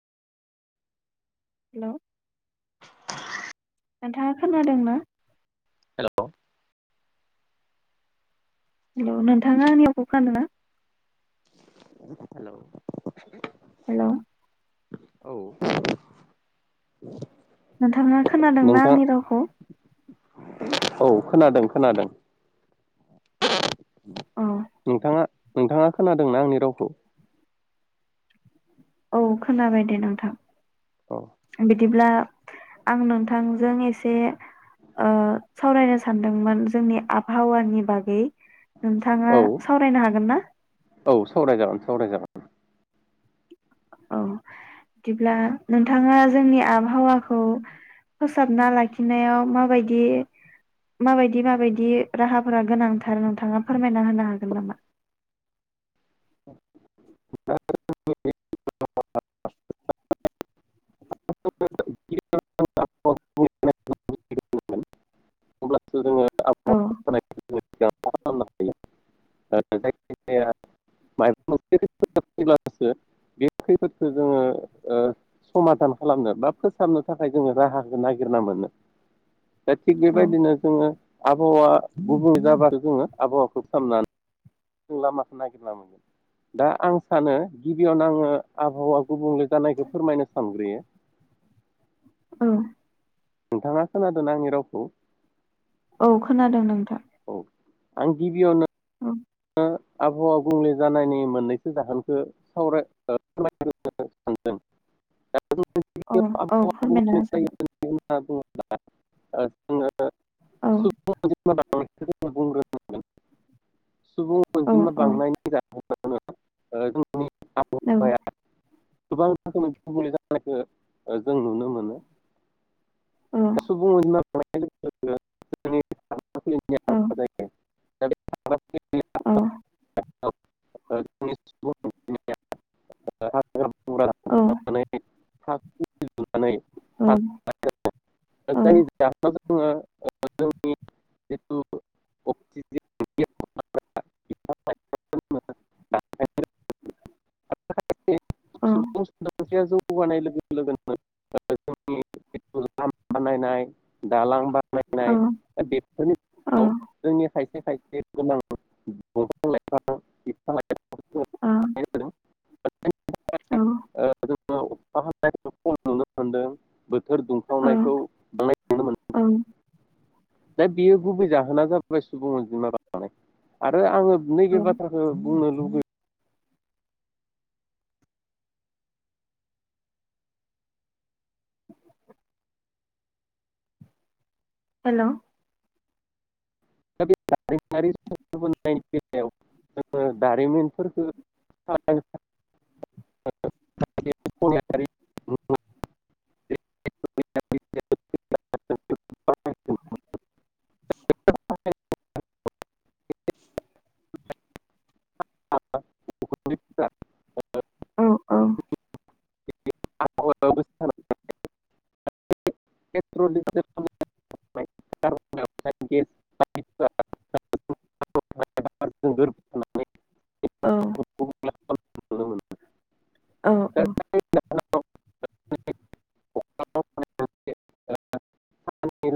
Hello नोंथाङा खोनादों ना? हेलौ नोंथाङा आंनियाव कल खामदों ना? [unintelligible] हेलौ औ नोंथाङा खोनादोंना नोंथां आंनि रावखौ‌? औ खोनादों खोनादों। अ नोंथाङा नोंथाङा खोनादोंना आंनि रावखौ? औ‌ खोनाबाय दे औ नोंथां। बिद दिब्ला आं नोंथांजों एसे ओ सावरायनो सानदोंमोन जोंनि आबहावानि बागै। नोंथाङा औ सावरायनो हागोन ना? औ सावराय जागोन सावराय जागोन। औ दिब्ला नोंथाङा जोंनि आबहावाखौ फोसाबना लाखिनायाव माबायदि माबायदि माबायदि राहाफोरा गोनांथार नोंथाङा फोरमायना होनो हागोन नामा? [unintelligible] अब्लासो जोङो आबहावा [unintelligible] ओ जायखिजाया मायबा [unintelligible] बे खैफोदखो जोङो ओ समाधान खालामनो बा फोसाबनो थाखाय जोङो राहाखो नागिरना मोनो। दा थिग औ बेबायदिनो जोङो आबहावा गुबुं जाबा जोङो आबहावाखौ खामना जों लामाखौ नागिरना मोनगोन दा आं सानो गिबियावनो आङो आबहावा गुबुंले जानायखौ फोरमायनो सानग्रोयो। औ नोंथाङा खोनादोना आंनि रावखौ? औ खोनादों नोंथां। औ आं गिबियावनो औ ओ आबहावा गुबुंले जानायनि मोननैसो जाहोनखौ सावराय [unintelligible] सान अ औ आबहावा फोरमायना गुबुंले होजागोन। औ [unintelligible] [unintelligible] सुबुं औ अनजिमा औ बांनायनि जाहोनावनो ओ जोंनि औ [unintelligible] [unintelligible] गुबुंले जानायखौ ओ जों नुनो मोनो औ सुबुं [unintelligible] औ जायो [unintelligible] औ [unintelligible] हाग्रा बंग्रा औ दानस्रांनानै [unintelligible] [unintelligible] औ थानो [unintelligible] अक्सिजेन [unintelligible] [unintelligible] औ [unintelligible] बानायनाय दालां बा नायनाय औ ओ [unintelligible] जोंनि खायसे खायसे गोनां [unintelligible] बिफां ओ [unintelligible] मोनदों बोथोर दुंखावनायखौ बांनाय नुनो मोनदों। दा बियो गुबै जाहोना जाबाय सुबुं अनजिमा बांनाय आरो आङो नैबे बाथ्राखो बुंनो लुगै हेलौ [unintelligible] नायाव जोङो जारिमिन फोरखौ [unintelligible] [inaudible] [inaudible] मा औ औ [inaudible] पेट्रलिं पेट्रल थागिम [inaudible] तोंगोरब औ नुनो ओ औ मोनो [inaudible]